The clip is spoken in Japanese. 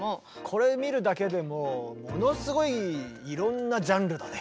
これ見るだけでもものすごいいろんなジャンルだね。